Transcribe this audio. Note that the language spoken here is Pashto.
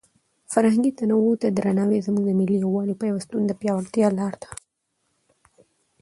فرهنګي تنوع ته درناوی زموږ د ملي یووالي او پیوستون د پیاوړتیا لاره ده.